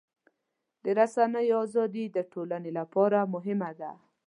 د رسنیو ازادي د ټولنې لپاره مهمه ده.